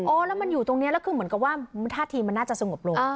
แล้วมันอยู่ตรงนี้แล้วคือเหมือนกับว่าท่าทีมันน่าจะสงบลง